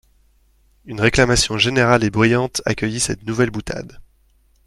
Une réclamation générale et bruyante accueillit cette nouvelle boutade.